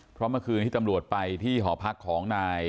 เพราะเมื่อคืนที่ตำรวจไปที่หอพักของนาย